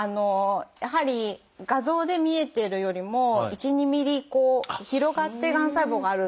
やはり画像で見えてるよりも１２ｍｍ広がってがん細胞がある。